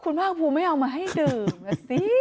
คุณภาคภูมิไม่เอามาให้ดื่มนะสิ